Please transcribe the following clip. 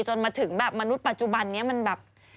จนมาถึงแบบมนุษย์ปัจจุบันนี้มันแบบ